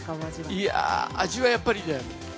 いやー、味はやっぱりね。